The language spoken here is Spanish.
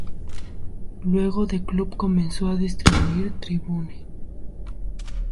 Luego, The Club comenzó a distribuir "Tribune".